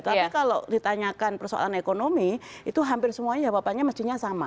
tapi kalau ditanyakan persoalan ekonomi itu hampir semuanya jawabannya mestinya sama